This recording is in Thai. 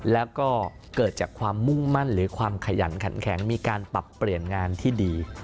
แล้วก็เกิดจากความมุ่งมั่นหรือความขยันขันแข็งมีการปรับเปลี่ยนงานที่ดี